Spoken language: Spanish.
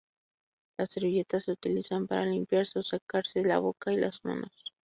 Las servilletas se utilizan para limpiarse o secarse la boca y las manos.